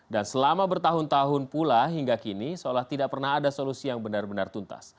dan selama bertahun tahun pula hingga kini seolah tidak pernah ada solusi yang benar benar tuntas